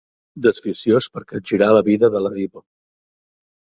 Desficiós per capgirar la vida de la diva.